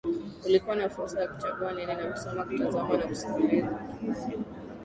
ulikuwa na fursa ya kuchagua nini cha kusoma kutazama na kusikiliza